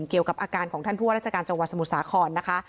เกี่ยวกับอาการของท่านผู้ว่าราชการจังหวัดสมุทรสาครนะคะ